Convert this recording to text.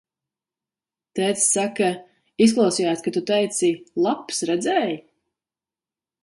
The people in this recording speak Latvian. Tētis saka: izklausījās, ka Tu teici: laps redzēj?